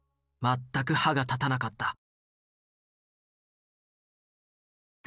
全く歯が立たなかった。